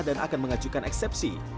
dan akan mengajukan eksepsi